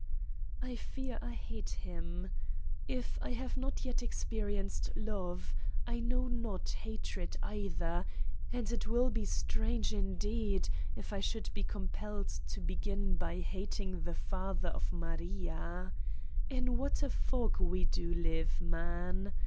I fear I hate him. If I have not yet experienced love, I know not hatred either, and it will be strange indeed if I should be compelled to begin by hating the father of Maria !... In what a fog we do live, man!